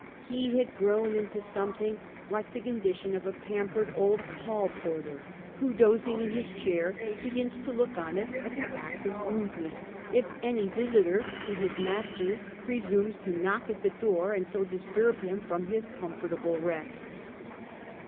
He had grown into something like the condition of a pampered old hall porter, who dozing in his chair begins to look on it as an act of rudeness if any visitor to his master presumes to knock at the door and so disturb him from his com fortable rest.